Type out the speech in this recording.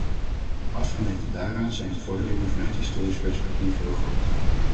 Afgemeten daaraan zijn de vorderingen vanuit historisch perspectief heel groot.